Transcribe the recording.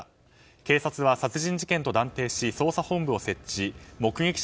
警察は殺人事件と断定し捜査本部を設置し目撃者